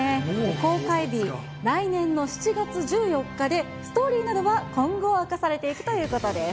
公開日、来年の７月１４日でストーリーなどは今後、明かされていくということです。